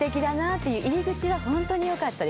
入り口は本当によかったです。